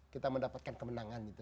kita mendapatkan kemenangan gitu